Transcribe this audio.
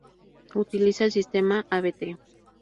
Utiliza el sistema Abt.